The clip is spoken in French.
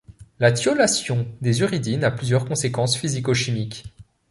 La thiolation des uridines a plusieurs conséquences physico-chimiques.